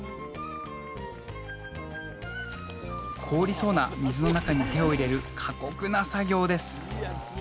凍りそうな水の中に手を入れる過酷な作業です